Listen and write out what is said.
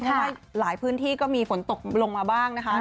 เพราะว่าหลายพื้นที่ก็มีฝนตกลงมาบ้างนะคะ